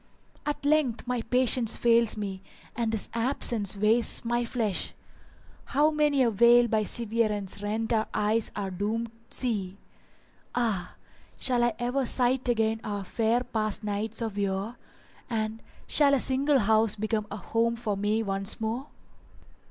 At length my patience fails me; and this absence wastes my flesh; * How many a veil by severance rent our eyes are doomed see: Ah! shall I ever sight again our fair past nights of yore; * And shall a single house become a home for me once more?"